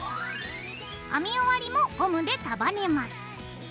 編み終わりもゴムで束ねます。